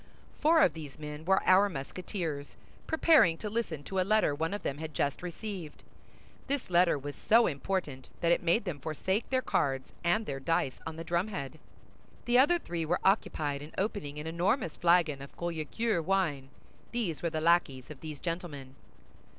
Four of these men were our Musketeers, preparing to listen to a letter one of them had just received. This letter was so important that it made them forsake their cards and their dice on the drumhead. The other three were occupied in opening an enormous flagon of Collicure wine; these were the lackeys of these gentlemen.